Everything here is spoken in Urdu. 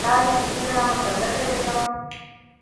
کیا یہ اسی طرح مسلط رہے گا؟